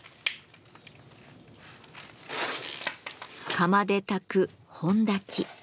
釜で焚く「本焚き」。